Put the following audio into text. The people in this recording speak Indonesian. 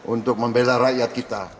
untuk membela rakyat kita